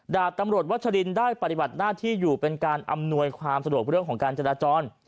ดาบตำรวจวัชลินได้ปฏิบัติหน้าที่อยู่เป็นการอำนวยความสะดวกเรื่องของการจราจร